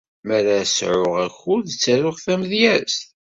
Mi ara sɛuɣ akud, ttaruɣ tamedyazt.